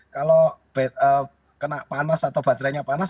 kalau kena panas atau baterainya panas